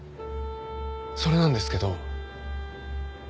それなんですけど。